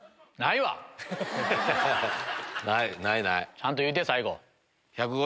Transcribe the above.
ちゃんと言うて最後。